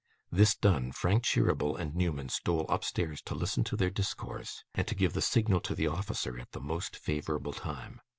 This done, Frank Cheeryble and Newman stole upstairs to listen to their discourse, and to give the signal to the officer at the most favourable time.